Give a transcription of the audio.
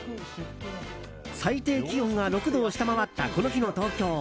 最低気温６度を下回ったこの日の東京。